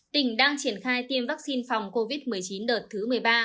tỉnh đang triển khai tiêm vaccine phòng covid một mươi chín đợt thứ một mươi ba